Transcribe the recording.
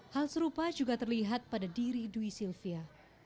hal serupa juga terlihat pada diri dwi sylvia